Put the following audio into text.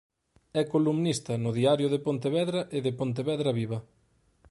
É columnista no Diario de Pontevedra e de Pontevedra Viva.